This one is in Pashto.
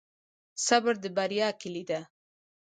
صبر د بریا کیلي ده